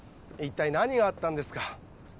一体何があったんですか？